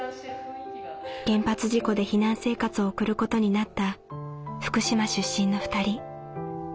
原発事故で避難生活を送ることになった福島出身の２人。